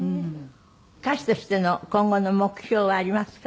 歌手としての今後の目標はありますか？